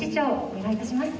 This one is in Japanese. お願いいたします。